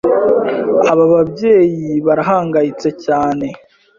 Aba babyeyi barahangayitse cyane